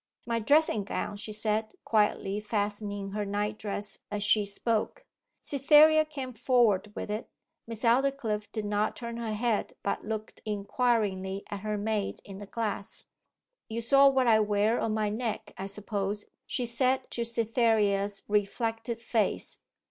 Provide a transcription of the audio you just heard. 'My dressing gown,' she said, quietly fastening her night dress as she spoke. Cytherea came forward with it. Miss Aldclyffe did not turn her head, but looked inquiringly at her maid in the glass. 'You saw what I wear on my neck, I suppose?' she said to Cytherea's reflected face.